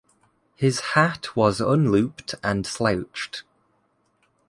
His hat was unlooped and slouched.